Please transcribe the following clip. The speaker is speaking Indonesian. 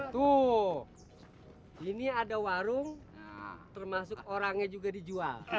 tuk ini ada warung termasuk orangnya juga dijual